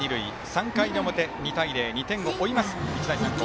３回の表、２対０２点を追います、日大三高。